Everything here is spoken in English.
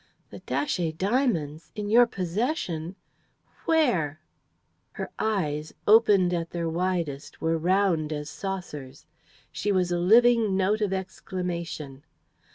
"The Datchet diamonds! In your possession! Where?" Her eyes, opened at their widest, were round as saucers. She was a living note of exclamation.